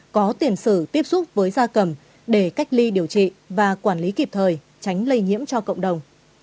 có tiền sử tiếp xúc với da cầm để cách ly điều trị và quản lý kịp thời tránh lây nhiễm cho cộng đồng